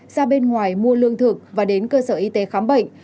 ra bên ngoài mua lương thực và đến cơ sở y tế khám bệnh